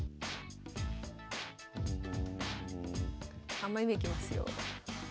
３枚目いきますよ。